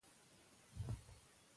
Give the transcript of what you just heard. ملالۍ اوبه رسوي.